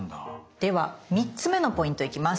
では３つ目のポイント行きます。